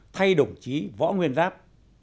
thay đồng chí võ nguyên giáp